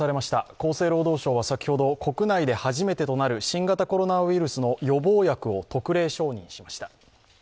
厚生労働省は先ほど国内で初めてとなる新型コロナウイルスの予防薬を特例承認しました。